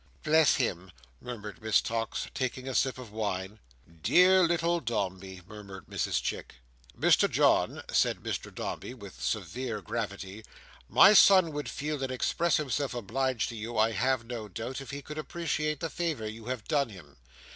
"Bless him!" murmured Miss Tox, taking a sip of wine. "Dear little Dombey!" murmured Mrs Chick. "Mr John," said Mr Dombey, with severe gravity, "my son would feel and express himself obliged to you, I have no doubt, if he could appreciate the favour you have done him.